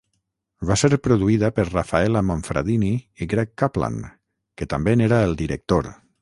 Va ser produïda per Rafaela Monfradini i Greg Kaplan, que també n'era el director.